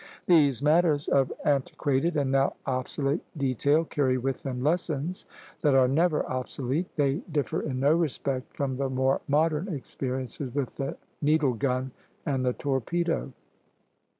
These matters of antiquated and now obsolete detail carry with them lessons that are never obsolete; they differ in no respect from the more modern experiences with the needle gun and the torpedo.